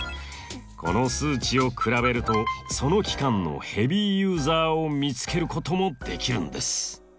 この数値を比べるとその期間のヘビーユーザーを見つけることもできるんです。